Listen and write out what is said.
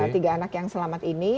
tiga anak yang selamat ini